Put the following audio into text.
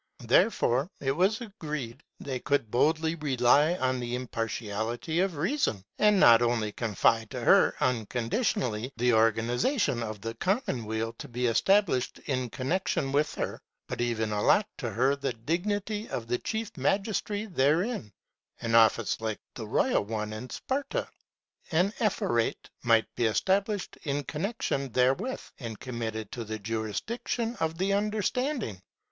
There fore, it was agreed, they could boldly rely on the impartiality of Reason, and not only conlide to her, unconditionally, the organization of the commonweal to be established in connection with her, but even allot to her the dignity of the chief magistracy therein ;— an office like the royal one in Sparta. An Ephorate* might be esta blished in connection therewith, and committed to the jurisdiction of the understanding.